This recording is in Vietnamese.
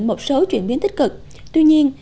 một số chuyển biến tích cực tuy nhiên